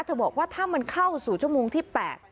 บอกว่าถ้ามันเข้าสู่ชั่วโมงที่๘